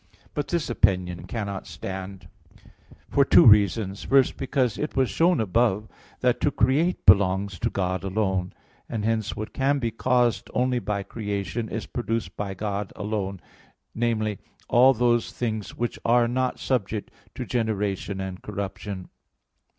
But this opinion cannot stand, for two reasons. First, because it was shown above (Q. 45, A. 5) that to create belongs to God alone, and hence what can be caused only by creation is produced by God alone viz. all those things which are not subject to generation and corruption.